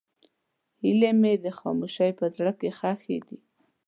هیلې مې د خاموشۍ په زړه کې ښخې دي.